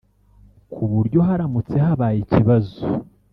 ku buryo haramutse habaye ikibazo